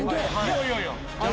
いやいやいや。